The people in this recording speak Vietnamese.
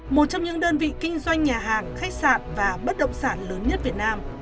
một trong những đơn vị kinh doanh nhà hàng khách sạn và bất động sản lớn nhất việt nam